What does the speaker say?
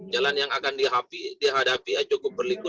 jalan yang akan dihadapi cukup berliku